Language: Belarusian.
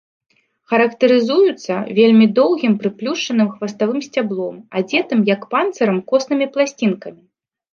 Характарызуюцца вельмі доўгім прыплюшчаным хваставым сцяблом, адзетым, як панцырам, коснымі пласцінкамі.